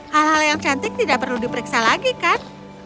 hal hal yang cantik tidak perlu diperiksa lagi kan